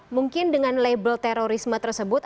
mungkin dengan label terorisme tersebut